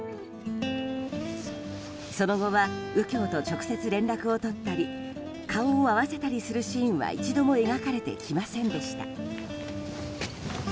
その後は右京と直接連絡を取ったり顔を合わせたりするシーンは一度も描かれてきませんでした。